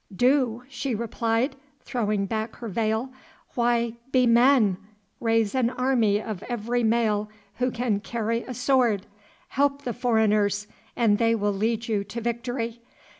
"Do?" she replied, throwing back her veil, "why, be men, raise an army of every male who can carry a sword; help the foreigners, and they will lead you to victory.